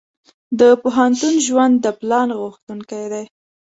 د پوهنتون ژوند د پلان غوښتونکی دی.